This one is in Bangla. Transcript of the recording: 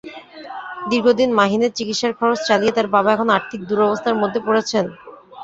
দীর্ঘদিন মাহিনের চিকিৎসার খরচ চালিয়ে তার বাবা এখন আর্থিক দুরবস্থার মধ্যে পড়েছেন।